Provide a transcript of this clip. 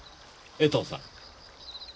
江藤さん。